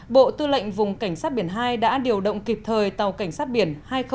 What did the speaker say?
bộ tư lệnh vùng cảnh sát biển hai đã điều động kịp thời tàu cảnh sát biển hai nghìn hai mươi bốn